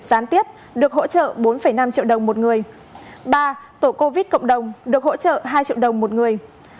gián tiếp được hỗ trợ bốn năm triệu đồng một người ba tổ covid cộng đồng được hỗ trợ hai triệu đồng một người